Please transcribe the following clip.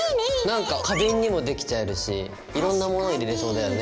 なんか花瓶にもできちゃえるしいろんなもの入れれそうだよね。